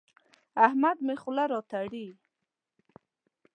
احمد مې خوله راتړي.